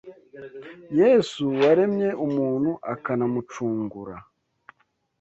Yesu, waremye umuntu akanamucungura,